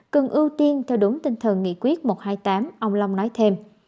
cần ưu tiên theo đúng tinh thần nghị quyết một trăm hai mươi tám ông long nói thêm